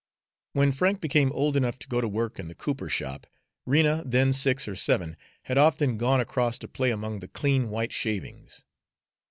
When Frank became old enough to go to work in the cooper shop, Rena, then six or seven, had often gone across to play among the clean white shavings.